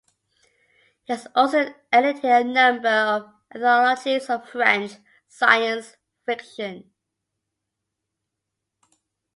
He has also edited a number of anthologies of French science fiction.